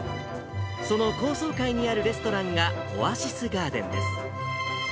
その高層階にあるレストランが、オアシスガーデンです。